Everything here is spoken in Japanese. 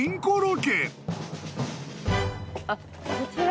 あっこちら？